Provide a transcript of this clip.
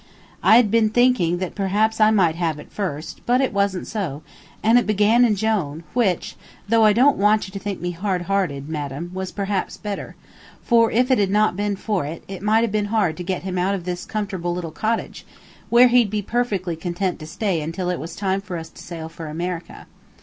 I had been thinking that perhaps I might have it first, but it wasn't so, and it began in Jone, which, though I don't want you to think me hard hearted, madam, was perhaps better; for if it had not been for it, it might have been hard to get him out of this comfortable little cottage, where he'd be perfectly content to stay until it was time for us to sail for America.